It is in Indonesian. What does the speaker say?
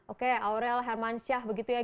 oke aurel hermansyah begitu ya